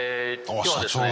今日はですね